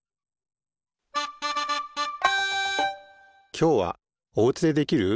きょうはおうちでできる！